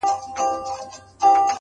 • څنگه به هغه له ياده وباسم.